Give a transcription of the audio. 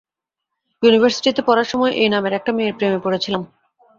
ইউনিভার্সিটিতে পড়ার সময় এই নামের একটা মেয়ের প্রেমে পড়েছিলাম।